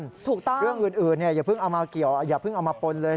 ถูกต้องเรื่องอื่นอย่าเพิ่งเอามาเกี่ยวอย่าเพิ่งเอามาปนเลย